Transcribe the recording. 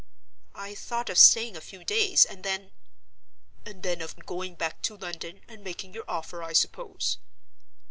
"I thought of staying a few days, and then—" "And then of going back to London and making your offer, I suppose?